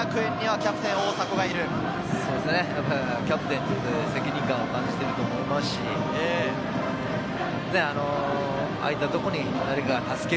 キャプテンということで責任感を感じていると思いますし、空いたところに誰か助ける。